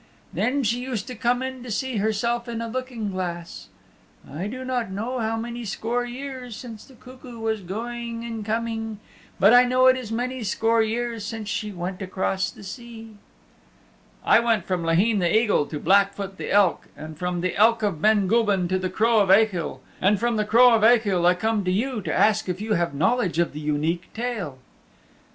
Then she used to come in to see herself in a looking glass. I do not know how many score years the cuckoo was going and coming, but I know it is many score years since she went across the sea." "I went from Laheen the Eagle to Blackfoot the Elk, and from the Elk of Ben Gulban to the Crow of Achill, and from the Crow of Achill, I come to you to ask if you have knowledge of the Unique Tale."